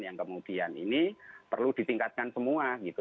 yang kemudian ini perlu ditingkatkan semua gitu